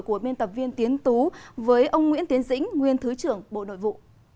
của biên tập viên tiến tú với ông nguyễn tiến dĩnh nguyên thứ trưởng bộ nội vụ